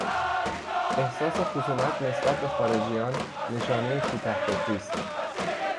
احساس خصومت نسبت به خارجیان نشانهی کوتهفکری است.